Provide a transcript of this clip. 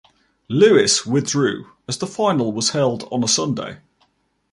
Lewis withdrew as the final was held on a Sunday.